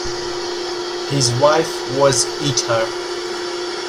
His wife was Etar.